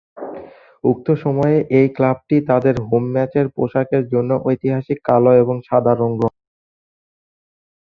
উক্ত সময়ে এই ক্লাবটি তাদের হোম ম্যাচের পোশাকের জন্য ঐতিহাসিক কালো এবং সাদা রঙ গ্রহণ করেছিল।